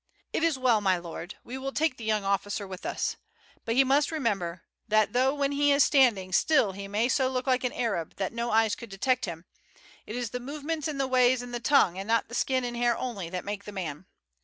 It is well, my lord, we will take the young officer with us; but he must remember that though when he is standing still he may look so like an Arab that no eyes could detect him, it is the movements and the ways and the tongue, and not the skin and hair only, that make a man.